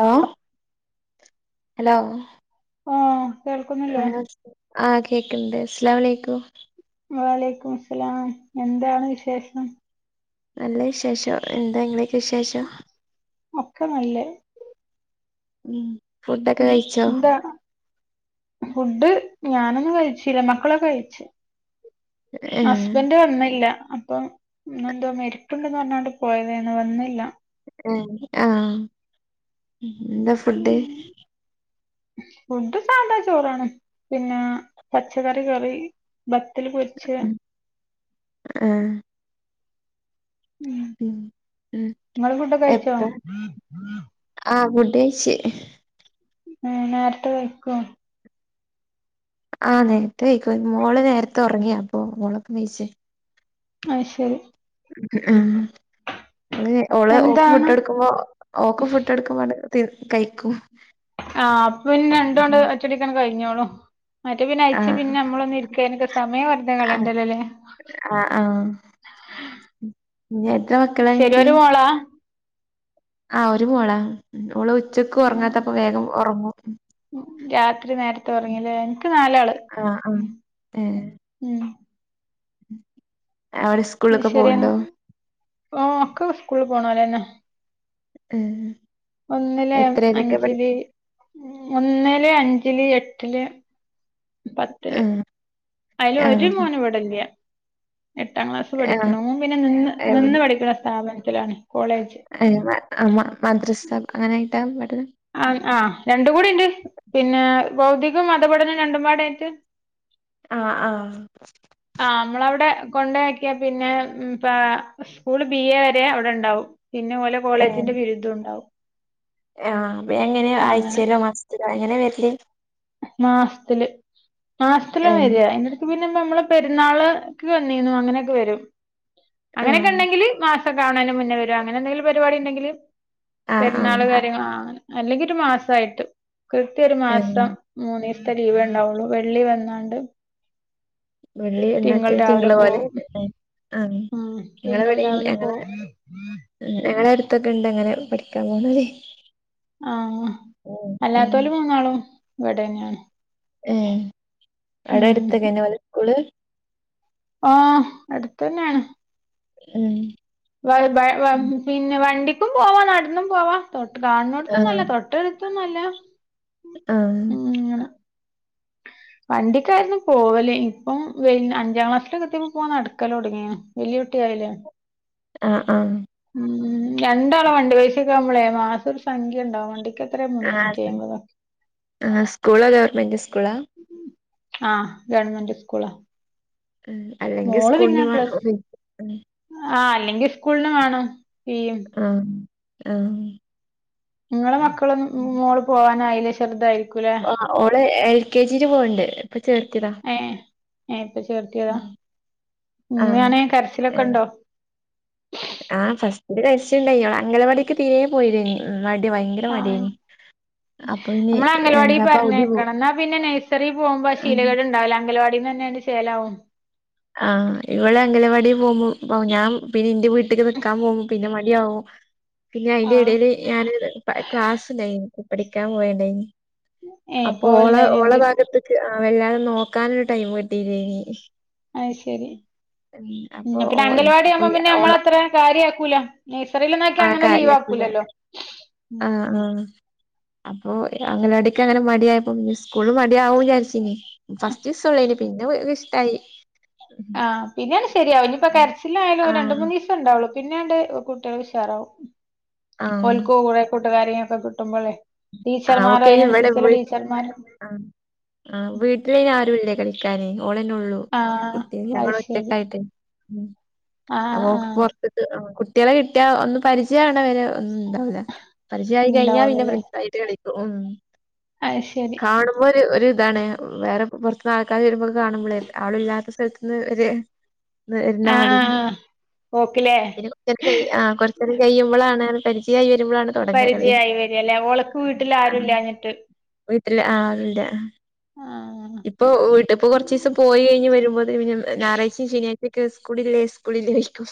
Hello hello ആഹ് കേൾക്കുന്നില്ലേ ആഹ് കേക്ക്ണ്ട് അസ്സലാമു അലൈകും വ അലൈകുമുസ്സലാം എന്താണ് വിശേഷം നല്ല വിശേഷം എന്താ ഇങ്ങളെയൊക്കെ വിശേഷം ഒക്കെ നല്ലെ ഉം ഫുഡൊക്കെ ഉം കഴിച്ചോ എന്താണ് ഫുഡ് ഞാനൊന്നും കഴിച്ചില്ല. മക്കളൊക്കെ കഴിച്ചു ഏഹ് ഹസ്ബന്റ് വന്നില്ല അപ്പം ഇന്നെന്തോ മരിപ്പുണ്ടന്ന് പറഞാണ്ട് പോയതേന്നു വന്നില്ല ആഹ് എന്താ ഫുഡ് ഉം ഫുഡ് സാധാ ചോറാണ് പിന്നെ പച്ചക്കറി കറി ബത്തൽ പൊരിച്ചേ ആഹ് ഉം ആഹ് ഇങ്ങള് ഫുഡൊക്കെ കഴിച്ചോ എപ്പോ ആഹ് കു ഡ് കഴിച്ച ആ നേരത്തെ കെയ്ക്കോ ആഹ് നേരത്തെ കയിക്കും. ഇന്ന് മോള് നേരത്തെ ഉറങ്ങി അപ്പൊ മോളൊപ്പം കയിച്ച് അയ് ശരി ഉം ഓള് ഓള് ഓൾക്ക് ഫുഡ് എന്താണ് എടുക്കുമ്പോ ഓൾക്കും ഫുഡ് [unintelligible] തിർ കഴിക്കും ആഹ് പിന്നെ രണ്ടുണ്ട് ഒറ്റടിക്കങ്ങട്ട് കൈഞ്ഞോളും. മറ്റേ പിന്നെ അയ്ച്ച് ആഹ് പിന്നെ നമ്മളൊന്ന് ഇരിക്ക ഐനൊക്കെ സമയം വെർതെ കളയണ്ടല്ലോലെ. ആഹ് ആഹ് എത്ര മക്കളാ ശരി ങ്ങക്ക് ഒരു മോളാ ആഹ് ഒര് മോളാ ഓള് ഉച്ചക്ക് ഉം ഒർങ്ങാത്തപ്പോ വേഗം ഒർങ്ങും. രാത്രി നേരത്തെ ഒർങ്ങിലേ ഇൻക്ക് നാലാള് ആഹ് ആഹ് മ് ഏഹ് മ് അവര് സ്കൂളിലൊക്കെ അയ്ശ്ശേരി പോവ്ണ്ടോ? ഓ ഒക്കെ ഉസ്കൂളിൽ പോണോലന്നെ [unintelligible] ഒന്നിലേം എത്രയിലൊക്കെ പഠിക്ക അഞ്ചില് ഒന്ന്ല്, അന്ജ്ല്, എട്ട്ല്, പത്ത്ല്. ആഹ് ഐല് ഒര് ആഹ് മോന് ഇവിടെ ല്യ എട്ടാം ക്ലാസ്സ് ആഹ് പഠിക്ക്ണോം. ഓം പിന്നെ ന് ന്ന് ന് ന്ന് എവിടെ പഠിക്കണ സ്ഥാപനത്തിലാണ്. കോളേജ് മ മ മദ്രസ അങ്ങനായ്ട്ടാ ആഹ് ആഹ് രണ്ടും കൂടിണ്ട് പിന്നെ ഭൗതികം മതപഠനം രണ്ടുമ്പാടൈറ്റ്. ആഹ് ആഹ് കൊണ്ടാക്ക്യാ പിന്നെ മ് പാ സ്കൂള് ബി എ വരെ അവടെണ്ടാവും. പിന്നെ ഓലെ ഏഹ് കോളേജിന്റെ ബിര്ദ്ധ്ഓണ്ടാവും ആഹ് അപ്പ എങ്ങനെ അങ്ങനെ ആയ്ചേലോ മസത്തിലോ എങ്ങനെ വെര്ല്. മാസ്ത്തില് മാസ്ത്തിലാ ഏഹ് വെരാ ഐന്റെട്ക്ക് [unintelligible] പെർന്നാള്ക്ക് വന്നീര്ന്നു. അങ്ങനെക്കെ വെരും. ആഹ് അങ്ങനെക്കെണ്ടെങ്കില് മാസ കാണാനും മുന്നേ വെരും അങ്ങനെന്തെങ്കിലും പരിപാടി ണ്ടെങ്കില് ആഹ് ആഹ് പെര്ന്നാള് അപ് കാര്യങ്ങള് അങ്ങനെക്കെ അല്ലെങ്കിലൊര് മാസയ്ട്ട് കൃത്യായോര് ഏഹ് മാസം മൂനീസ്തെ ലീവെണ്ടാവുള്ളു വെള്ളി വന്നാണ്ട് വെള്ളി തിങ്കൾ എന്നിട്ട് രാവിലെ തിങ്കള് പോലെ പോവും. ആഹ് ഉം തിങ്കൾ ഇങ്ങളവ്ടീം രാവിലെ ഞങ്ങളെ പോവും ഞങ്ങളട് ട്ത്തൊക്കെ ണ്ട്ങ്ങനെ പഠിക്കാം പോണതെ ആഹ് അല്ലാത്തോല് മൂന്നാളും ഇവടെന്നേണ്. ഏ അവടെ അട്ത്തൊക്കെന്നേ ഓലെ സ്കൂള് ആഹ് അട്ത്തന്നേണ്. മ് വയ് വയ് വ പിന്നെ വണ്ടിക്കും പോവാ നട്ന്നും പോവാ തൊട്ട് കാണ്നോട്തൊന്നുല്ല. ആഹ് തൊട്ടട്ത്തൊന്നല്ല. ആഹ് വണ്ടിക്കായിര്ന്നു പോവല് ഇപ്പം വെയ് അഞ്ചാം ക്ലാസ്സിലൊക്കെ എത്ത്യേപ്പോ നട്ക്കലൊട്ങ്ങീണ്. വല്ല്യേ കുട്ടി ആയിലെ ആഹ് ആഹ് മ് രണ്ടാളെ വണ്ടി പൈസെക്കെ ആകുമ്പളേ മാസം ഒരു സംഖ്യണ്ടാവും വണ്ടിക്ക് എത്രേ മുന്നൂറ്റി ആഹ് അയ്മ്പതോ ആഹ് സ്കൂളാ ഗവർമെന്റ് സ്കൂളാ ആഹ് ഗവണ്മെന്റ് സ്കൂളാ ഉം അല്ലെങ്കി മോള് സ്കൂളിന് പിന്നെ വേണം പ്ലസ് ഉം. ആഹ് അല്ലെങ്കി സ്കൂൾന് വാണം. ആഹ് ആഹ് ങ്ങളെ മക്കളൊന്നും ഉം. മോള് പോവാനായിലെ ചെർടത് ആഹ് ഓള് എൽ കെ ജില് പോണ് ണ്ട് ഇപ്പ ചേർത്തിതാ പ്പ ചേർത്ത്യേതാ ആഹ് ഉമ്മിയാണ് ഏഹ് കരച്ചിലൊക്കെണ്ടോ ഇണ്ട് കര്ച്ചില്ണ്ടായിര്ന്നു അംഗലവാടിക്ക് തീരേ പോയിലേയ്നി മടി ഭയങ്കര മട്യേയ്നി ഞമ്മള് അംഗൽവാടില് പോ പറഞ്ഞയ്ക്കണം ന്നാ പിന്നെ നഴ്സറിൽ പോകുമ്പോ ആ ആഹ് ശീലകേട്ണ്ടാവൂല അങ്കവാ തന്നെന്നണ്ട് ശേലാവും. ആഹ് ഇവിടെ അംഗലവാടി പോകുമ്പോ ഞാൻ പിന്നെ ഇന്റെ വീട്ടക്ക് നിക്കാൻ പോകുമ്പോ പിന്നെ മട ആകോ പിന്നെ ആ അയിന്റെ ഇടേല് ഞാന് ക്ലാസ്ണ്ടായി പഠിക്കാൻ പോയണ്ടായി.. ഏ അപ്പൊ ഓളെ പോവലുണ്ടായിനു ഓള ഭാഗത്ത്ക്ക് വല്ലാതെ നോക്കാനൊരു ടൈം കിട്ടില്ലേനി. ആയ് ശരി അപ്പൊ ഉ ഓ പിന്നെ അപ്പൊ അംഗൽവാടിയാകുമ്പോം പിന്നെ നമ്മള ഓളെ അത്ര കാര്യയാക്കൂല നഴ്സറീലൊന്ന് ആക്കിയാ അങ്ങനെ ലീവ് ആക്കൂ ലല്ലോ.. ആഹ ആഹ അപ്പൊ അങ്ങനെ അടക്ക് അങ്ങനെ മടിയായപ്പോ സ്കൂള് മടിയ ആവും വിചാരിച്ച ഇ ഫസ്റ്റ് ദിവസ ഉള്ളനി.. പിന്നെ ഇഷ്ടായി. ഉം. ആ പിന്നൊണ് ശരിയാവും ഇനിയിപ്പോ കരച്ചില ആയാലും ആ രണ്ട മൂന്ന് ദിവസം ഉണ്ടാവുള്ളൂ. പിന്നെയണ്ട് കുട്ടികൾ വിശാറാവും ആ ഓൽക്കോ കുറെ കൂട്ടുകാരങ്ങൊക്കെ കിട്ടുമ്പോള്ളേ. ആ ടീച്ചർമാരോ ഓക്കയിന് ഇവിടെ അതിനനുസരിച്ചുള്ള വീ ടീച്ചർമാരൊ ആ ഓളെന്നെ ഉള്ളൂ കുട്ടി ഞങ്ങ അത് ശരി ഒറ്റക്കായിട്ട് ഉ ആഹ് അപ്പൊ ആഹ് പുറത്ത കുട്ടികളെ കിട്ടിയ ഒന്ന് പരിചയാണവരെ ഒന്നും [unintelligible] പരചയായി കഴിഞ്ഞാ പിന്നെ ഉണ്ടാവുള്ളൂല്ലേ ഫ്രണ്ട്സ ആയിട്ട് കളിക്കും ഉം. അത് ശരി കാണുമ്പോ ഒരു ഒ ഇതാണ് വേറെ പുറത്തുന്ന് ആൾക്കാര് വരുമ്പോ കാണുമ്പോളെ ആള ഇല്ലാത്ത സ്ഥലത്തുന്ന് വ [unintelligible] വരുന്നാൽ ആഹ് മതി ആഹ് ആഹ് ഓക്കിലേ പിന്നെ കൊറച്ച നേം ക ആ കൊറച്ച നേരം കഴിയുമ്പോളാണ് [unintelligible] തുടങ്ങ കളി പരിചയായി വരാഅല്ലേ ഓളക്ക് വീട്ടിൽ ആരുംല്ലാഞ്ഞിട്ട് അല്ല ആല്ല ആഹ് ഇപ്പൊട്ട ഇപ്പൊ കുറച്ച് ദിവസം പോയി കഴിഞ്ഞ് വരുമ്പോത് ഇന് ഞായറാഴ്ചയും ശനാ സ്കൂളിലേ സ്കൂളിൽ വക്കും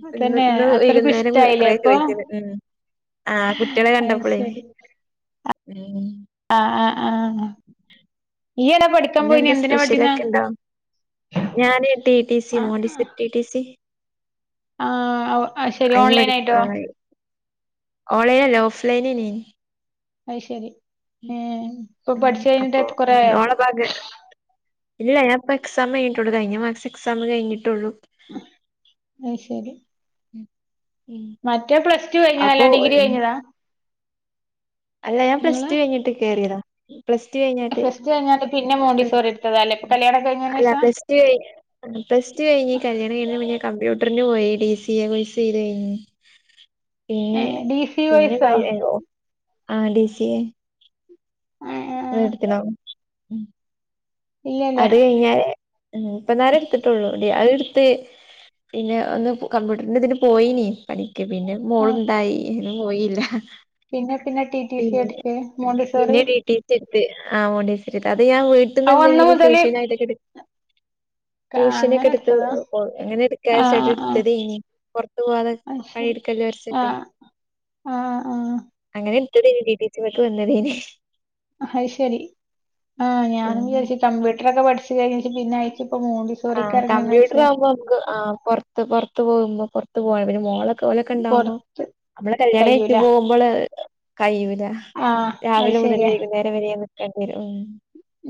ഇപ്പൊ ഇന്ന് അതന്നെ ഇന്ന് അത്രക്കും വൈകുന്നേരം ഇഷ്ടായില്ലേ കൊറേ അപ്പൊ ചോദിച്ചല് ഉം.. ആഹ കുട്ടികളെ അത് കണ്ടപ്പോളേ ഉം ആഹ ആഹ ആഹ ഈ എടാ പഠിക്കാൻ പോയിന് എന്തിനാ പഠിച്ച [inaudible] ഞാനേ ടി ടി സി മോഡി ടിടി സി ആഹ് ശരി അതിന് ഓൺലൈൻ പഠി ആയിട്ടോ ഓൺലൈൻ അല്ലെ ഓഫ പലെനിനീ അയ് ശരി ഏഹ് ഇപ്പൊ ഉ പഠിച്ചു അപ്പൊ കഴിഞ്ഞിട്ട് കൊറേ ഉ ആയോ ഓളപ്പാഗ ഇല്ല ഞാൻപ്പൊ എക്സാം കഴിഞ്ഞട്ടുള്ളു കഴിഞ്ഞ മാസം എക്സാം കഴിഞ്ഞിട്ടുള്ളു. അയ് ശരി ഉം മറ്റേ പ്ലസ് ടു അപ്പൊ കഴിഞ്ഞതല്ല ഡിഗ്രി ഉം, കഴിഞ്ഞതാ അല്ല ഞാൻ പ്ലസ്റ്റു കഴിഞ്ഞിട്ട് കയറിയതാ പ്ലസ്- ടു കഴിഞ്ഞാട്ട് ഫ്രസ്റ്റ് കഴിഞ്ഞാല് പിന്നെ മോണ്ടിസോർ എടുത്തതാല്ലേ അല്ല പ്ലസ് ടു കഴ പ്ലസ് ടു കഴിഞ്ഞ് കല്യാണം കഴ [unintelligible] കമ്പ്യൂട്ടറിന് പോയി ഡി സി എ പോസ് ചെയ്ത്ഴ [unintelligible] ഏ പിന്നെ ഡി സി പിന്നെ വോയ്സോ ആ ഡി. സി. എ ആ ആ ത്തി [unintelligible] ഇല്ലല്ല അത് കഴിഞ്ഞാല് ഉ ഇപ്പൊ നേരം എടുത്തിട്ടുള്ളൂേ അത് എടുത്ത് പിന്നെ ഒന്ന് കമ്പ്യൂ അ ഇതിന് പോയീനി പനിക്ക് പിന്നെ ആ മോളുണ്ടായി ഇും പോയില്ല. പിന്നെ പിന്നെ ടി ടി സി പിന്നെ എടുക്ക് മോണ്ടശോറി പിന്നെ ഡി ടി സി ആ മണ്ടേശരില്ല അത് ഞാൻ വീട്ടിൽന്ന് ആ ഒന്ന് മുതല് എന്തെങ്കിലും [unintelligible] [inaudible] ക- ട്യൂഷന ഒക്കെ അങ്ങനെ എടുത്ത് എടുത്തതാ എങ്ങനെ ആ എടുക്കാട്ട ആ ആ എടുത്തതെയ്ന് പുറത്ത് പോവാതെ അത് പണി ശരി എടുക്കല്ലോ. ആ ീ [inaudible] ആ ആ അങ്ങനെ എത്ത വന്നതന് അത് ശരി ആഹ ഞാനും ഉം വിചാരിച്ച കമ്പ്യൂട്ടർൊക്കെ പഠിച്ചു കഴിഞ്ഞ പിന്നെ. ഇപ്പൊ ആ മോണ്ടിസോറിക്ക് ഇറങ്ങണ കമ്പ്യൂട്ടർ വെച്ച് ആവുമ്പോ നമുക്ക് ആ പുറത്ത് പൊറ പുറത്തത്ത് പോകുമ്പോ പുറത്ത് പോ പിന്നെ മോളക്കെലൊക്കെ ഉണ്ടാവുമ്പോ പൊറത്ത് നമ്മള് കല്യാണം ആഴട്ടു കയ്യൂല പോകുമ്പോള്.. കയ്യൂല ആ അത് രാവിലെ മുതൽ ശരിയാ വൈകുന്നേരം വരെ നിക്കേണ്ടി വരും. ഉം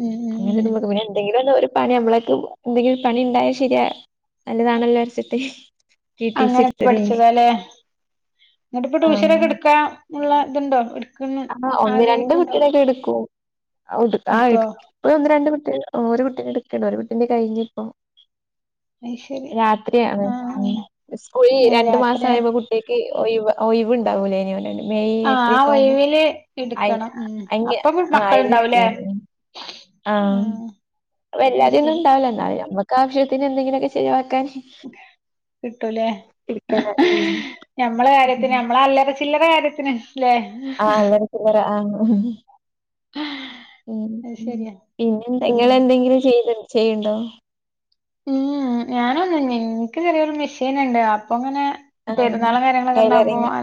ഉം ഉം അങ്ങനെ ഉം [inaudible] പിന്നെ എന്തെങ്കിലും ഒരു പണി നമ്മളേക്ക് എന്തെങ്കിലും പണി ഇണ്ടായാ ശരിയാ നല്ലതാണല്ലോ വിചാരിച്ചിട്ടേ അങ്ങനൊക്കെ പഠിച്ചതാലെ ന്നിട്ട് ഇപ്പൊ ആഹ് ട്യൂഷനൊക്കെ എടുക്കാനുള്ള ഇതുണ്ടോ എടുക്കന്ന് ആഹ് ആഗ്രഹിക്കണ്ടോ? ആ ഇട്ക് ആ എടുക്കോ ഇട്ക് ഒന്ന് രണ്ട് കുട്ടി ഒരു കുട്ടീനെ എടുക്കണ് ഒരു കുട്ടീന്റെ കഴിഞ്ഞ് പ്പോ. [unintelligible] രാത്രിയാണ് ഉം ആഹ് സ്കൂളി ഏ രണ്ടു മാസം രാത്രിയാ ആയപ്പോ കുട്ടിക്ക് ഒയ് വ ഒയ്‌വ് ഉണ്ടാവൂലെനോ മെയ് ആഹ് ആ ഏപ്രിലക്കെ ആവുമ്പോ ഒഴിവില് അയ് എടുക്കണം ഉം അയ് അപ്പൊ ആ അയ്‌ന് മക്കളുണ്ടാവൂലേ ആഹ് ഉം അത് വല്ലാതെന്നും ശരി ഉണ്ടാവില്ല എന്ന നമ്മക്ക് ആവശ്യത്തിന് എന്തെങ്കിലുമൊക്കെ ചെയ കിട്ടൂലെ ഇരിക്കല ഉം [unintelligible] ചില്ലറ കാര്യത്തിന് ല്ലേ ആ എല്ലരക്ക ആ [unintelligible] ഉം അത് ശരിയാ പിന്നെ നിങ്ങ ഉം എന്തെങ്കിലും ചെയ് ചെയ്യണ്ടോ? ഉംഉ ഞാനൊന്നും എനിക്ക് ചെറിയൊരു മെഷീൻ ഉണ്ട് അപ്പൊ ങ്ങനെ ആ പെരുന്നാളും കാര്യങ്ങളൊക്കെ ഉണ്ടാകുമ്പോ ടൈലറിങ് അ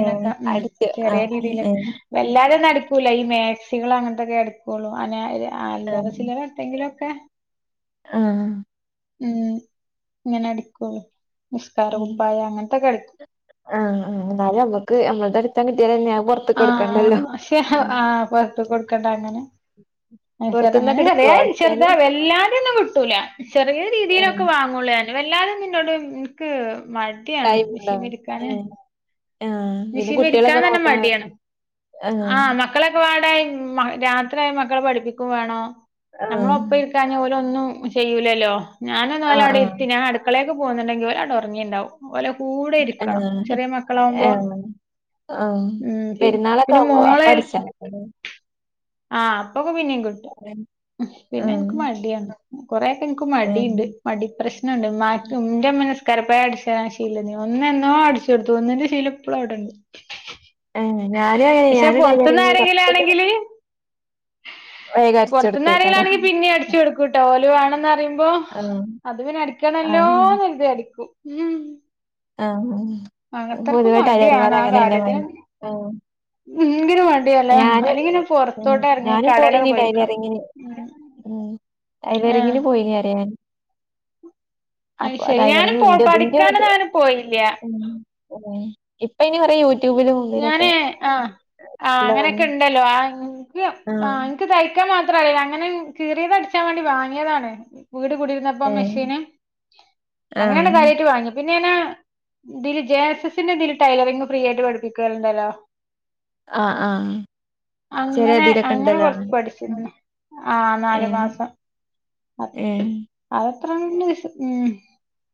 ഏ ഉം അടിച്ച് ആ ചെറിയ രീതിൽ ഏ വല്ലാ അത് നടക്കൂലെ ഇ മേക്സി സികൾ അങ്ങനത്തെക്കെ എടുക്കൊള്ളൂ. അന ആ അല്ലറചില്ലറ എന്തെലൊക്കെ ആ ഉം ഇങ്ങനെ അടിക്കുള്ളു. നിസ്കാര കുപ്പായ അങ്ങനത്തെക്കെ അടിക്കും. ആആ എന്നാലും നമ്മക്ക് നമ്മളുടെ അടുത്ത കിട്ടിയാലെന്നെയ ആഹ് പക്ഷേ ആഹ് പുറത്ത് കൊടുക്കണ്ട അങ്ങനെ. അഹ് ച്ചാൽ പൊറത്ത്ന്നൊക്കെ അങ്ങനെ എടുക്കോ ചെറി ചെറുതാ അടിച്ചാന് വല്ലാതെ ഒന്നും കിട്ടൂല. ചെറിയ രീതിയിലൊക്കെ വാങ്ങുള്ളു ഞാൻ. വല്ലാതെന്നും ഇന്നോട് ഇക്ക് മടിയാണ്. ടൈമ്ണ്ടോ മെഷീൻമെ ഇരിക്കാന് ആ പിന്നെ മെഷീൻമെ ഇരിക്കാൻ കുട്ടികളൊക്കെ തന്നെ നോക്കാൻ മടിയാണ്. ആ മക്കളൊക്കെ വാ [inaudible] രാത്രിയായ മക്കളെ പഠിപ്പിക്കും വേണോ. ആ നമ്മള് ഒപ്പം ഇരിക്കാന് ഓല് ഒന്നും ചെയ്യൂലല്ലോ. ഞാനൊന്ന് ആ ഓലെ അവിടെ ആ ഇര്ത്തി ഞാൻ അടുക്കളേക്ക് പോന്നുണ്ടെങ്കിൽ ഓല് അവിടെ ഉറങ്ങിണ്ടാവും ഓല് കൂടെ ഇരിക്കണം ചെറിയ മക്കളാവുമ്പോ. ആ ആ ആഹ് ഉം പി പെരുന്നാളൊക്കെ പിന്നെ ആവുമ്പോ അപ്പ മോളെ അടിച്ചാ മതി. ആ അപ്പൊക്കെ പിന്നേം കിട്ടും ഉം പിന്നെ എനിക്ക് ആഹ് മടിയാണ് കൊറെ എനിക്ക് ആഹ് മടിണ്ട്. മടി പ്രശ്നണ്ട്. മ്മാക്ക് ന്റെ മ്മന്നെ ക്കര കുപ്പായം അടിച്ചന് ശീലന്ന് ഒന്ന് എന്നോ അടിച്ചു കൊടുത്തു ഒന്നിന്റെ ശീല ഇപ്പോളും അവിടെണ്ട്. ഏഹ് ഞാനും അങ്ങനെ പക്ഷെ ഞാനും പൊറത്തന്ന് ടൈലറിങ് ആരെങ്കിലും ആണെങ്കില് വെ പൊറത്ത്ന്ന് ആരെങ്കിലാണെങ്കി പിന്നീം അടിച്ചു കൊടുക്കൂട്ടോ. ഓല് വേണന്ന് പറയുമ്പോ. ആഹ് അത് പിന്നെ ആഹ് അടിക്കണല്ലോന്ന് കരുതി അടിക്കും ഉം. ആഹ് അങ്ങത്തർക്കും പൊതുവെ മടിയാണ് ടൈലർമാര് ആ അങ്ങനെന്നെ കാര്യത്തി ഉം ഭയങ്ക ആഹ് ഭയങ്കര മടിയല്ലേ അല്ലെങ്കിനെ ഉ പൊറത്ത് ഞാനും പോയിനീ ടൈലറിങ്ങിന്. ഉം ഉം ആഹ് ടൈലറിങ്ങിന് പോയി അറിയ ഞാൻ അത് അപ്പൊ ശരി ഞാനും ടൈലറിങ് പോ ന്റെത്തി ന്റെ ത് പഠിക്കാനൊന്നും വെ അങ്ങനെ പോയില്ല ഉം ഉം ഇപ്പൊ ഇനി കുറെ യു ഞാനേ ആ ആഹ് ഇള്ളതാണ് അങ്ങനെയൊക്കെ ഇണ്ടല്ലോ ആ എനിക്ക് ആ ആഹ് എനിക്ക് തയ്ക്കാൻ മാ ത്രല്ല അങ്ങനെ കീറിയത് അടിച്ചാൻ വേണ്ടി വാങ്ങിയതാണ്. വീട് കൂടിരുന്നപ്പോ ഏഹ് മെഷീന് അങ്ങനെയാണ് ആഹ് കാര്യായിട്ട് വാങ്ങി പിന്നെ ഞാനാ ഇതില് ജെ എസ് എസിന്റെ ഇതിൽ ടൈലറിങ് ഫ്രീ ആയിട്ട് പഠിപ്പിക്കാറുണ്ടല്ലോ. ആ ആ അങ്ങനെ അങ്ങനെ കൊറച്ച് പഠിച്ചിരുന്നു ആ നാലു മാസം ഏ [unintelligible]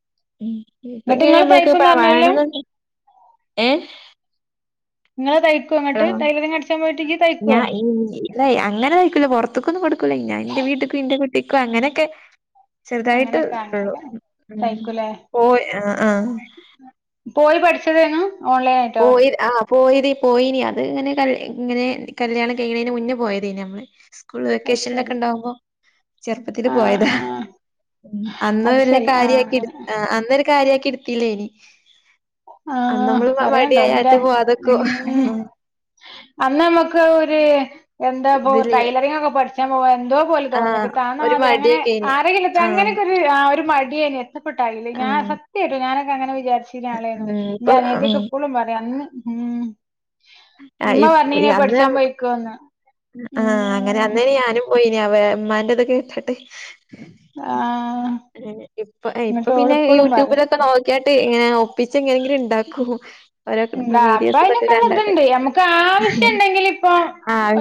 ഉം ഇപ്പ എന്നിട്ട് ഇങ്ങനെ നിങ്ങള് നമ്മൾക്ക് തയ്ക്കുംന്ന് പറഞ്ഞല്ലോ വേണന്നുണ്ടെങ്കിൽ ഏ ഇങ്ങള് തയ്ക്കോ ങ്ങട്ട് ടൈലറിങ്ങ് പഠിച്ചാൻ ഞാൻ അങ്ങനെ തയ്ക്കൂല പുറത്തക്കൊന്നും കൊടുക്കൂല ഞാൻ ഇന്റെ വീട്ട്ക്കും ഇന്റെ കു കുട്ടി അങ്ങനെയൊക്കെ ചെറുതായിട്ട് അങ്ങനെയൊക്കെ ഒള്ളു അങ്ങനെയൊക്കെ തയ്ക്കൂലേ പോയി ആ ആ പോയി പഠിച്ചതേനു ഓൺലൈൻ ആയിട്ടോ പോയി ആ പോയിത് പോയിനി അത് ഇങ്ങനെ ഇങ്ങനെ കല്യാണം കയ്യിണെന്റെ മുന്നേ പോയതേനി നമ്മള് സ്കൂൾ അത് വെക്കേഷൻല് ഒക്കെ ശരി ഉണ്ടാകുമ്പോ ചെറുപ്പത്തിൽ ആഹ് പോയതാ ആഹ് ആഹ് അന്ന് അത് വല്ല്യ ശരി ആഹ് കാര്യയാക്കി ഇട് അങ്ങനെ ആ അന്ന് ഒരു കാര്യാക്കി ഇട്ത്തില്ലേനി ആ പറയാണ്ടോ ഇന്റെ പോവാതെക്കും ഉം ആ അന്ന് നമ്മക്ക് ഒരു എന്താപ്പൊ ഇതില് ടൈലറിങ് ഒക്കെ പഠിച്ചാൻ പോവാ എന്തോ പോലെ തോന്നല് ആഹ് താന്ന ഒരു മാതിരി അങ്ങനെ മടിയൊക്കെയ്നി ആരെങ്കിലും ആഹ് അങ്ങനൊക്കൊ ഒരു ആ ഒരു മടിയെയ്നി കഷ്ടപ്പെട്ടായില്ല ഞാൻ ആഹ് സത്യായിട്ടും ഞാനൊക്കെ അങ്ങനെ വിചാരിച്ചീര്ന്ന ആളെയനു ഉം എന്റെ ഇപ്പൊ ഉം അനിയത്തി ഒക്കെ ഇപ്പോളും പറയും അന്ന് ഉം ഇമ്മ പറഞ്ഞീനി പഠിച്ചാൻ പൊയ്ക്കോന്ന് ആ അങ്ങനെ അന്നേന് ഞാനും പോയിനി ഇമ്മാന്റെത് ഒക്കെ കേട്ടിട്ട് ആ ഇപ്പ ഇപ്പൊ പിന്നെ പറയും യൂട്യൂബിലൊക്കെ നോക്കിയാട്ട് ഇങ്ങന ഒപ്പിച്ച് എങ്ങനെങ്കിലുംഇണ്ടാകാ ണ്ടാക്കും എന്താ അപ്പൊ അയിനൊക്കെ ള്ള ഇത്ണ്ട് നമ്മക്ക് ആവശ്യംണ്ടെങ്കിൽ ഇപ്പൊ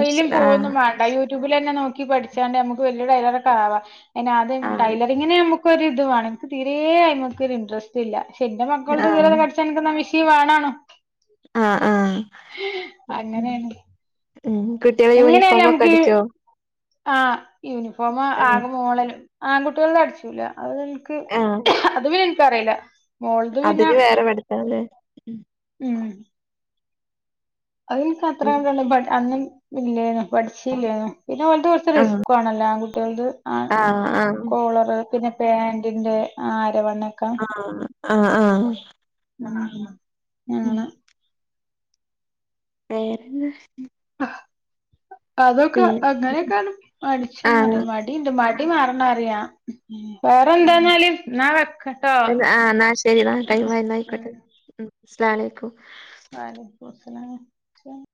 അയ്ലും ആഹ് പോവൊന്നും വാണ്ട യൂട്യൂബിൽ തന്നെ നോക്കി പഠിച്ചാണ്ട് നമുക്ക് വലിയ ടൈലൊറൊക്കെ ആവാം പിന്നെ ആദ്യം ആഹ് ടൈലറിങ്ങിന് നമുക്കൊര് ഇതു വാണം ഇന്ക്ക് തീരേ അയ്മക്കൊരു ഇൻട്രസ്റ്റ് ഇല്ല പിന്നെ മക്കള്ത് ആഹ് കീറിയെത് അട്ചണെങ്കി മിഷീം വാണയ്‌നും ആ അങ്ങനെയണ്ട് ഉം കുട്ടികളെ എങ്ങനെആയാലും യൂണിഫോം ഒക്കെ നമക്ക് അടിച്ചോ ആ യൂണിഫോമാ ആക മോളല്ലേള്ളൂ. ആൺകുട്ട്യാളത് അടിച്ചൂല. അത് ഇന്ക്ക് ആഹ് അത് പിന്നെ ഇന്ക്ക് അറിയില്ല. മോള്ത് പിന്നെ അതിന് വേറെ പഠിത്തം ല്ലേ ഉം അത് ഇന്ക്ക് അത്ര കണ്ട്ന്ന് ബട്ട്‌ അന്നും ഇല്ലേന്നു പഠിച്ചില്ലേന്നു പിന്നെ ഓലത് കൊറ്ച്ച് ആഹ് റിസ്കും ആണല്ലോ ആൺകുട്ടികള്ത്. ആ ആഹ് ആഹ് കോളറ് പിന്നെ പാന്റിന്റെ ആ ആ ആ അ ആ ആ ആ ആണ് വേറെ എന്താ? അതൊക്കെ അങ്ങനെയൊക്കാണ്. മടിച്ചൂന്ന് പറയാ. ആഹ് മടി ഇണ്ട്. മടി മാറണ വരേയ വെക്കട്ടോ ഉം ആ ഇന്നാ ശരി ടൈം ആയി ഇന്നാ അയിക്കോട്ടെ ഉം അസ്സലാം അലൈക്കും വ അലൈകും ഉസ്സലാമു [unintelligible]